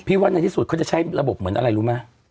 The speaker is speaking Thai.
ว่าในที่สุดเขาจะใช้ระบบเหมือนอะไรรู้ไหม